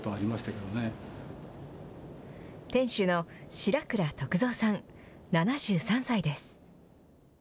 白倉徳三さん、７３歳です。